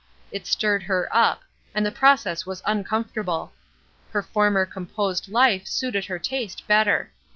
It stirred her up, and the process was uncomfortable. Her former composed life suited her taste better.